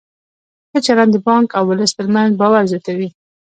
ښه چلند د بانک او ولس ترمنځ باور زیاتوي.